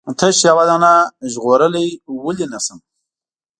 تش یوه دانه ژغورلای ولې نه شم؟